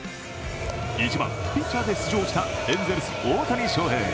１番・ピッチャーで出場したエンゼルス・大谷翔平。